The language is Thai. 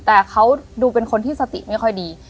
แต่เขาดูเป็นคนที่สติไม่ค่อยดี